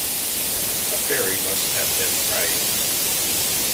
A fairy must have been crying.